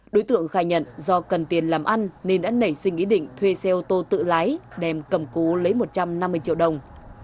đối tượng khai nhận do cần tiền làm ăn nên đã nảy sinh ý định thuê xe ô tô tự lái đem cầm cố lấy một trăm năm mươi triệu đồng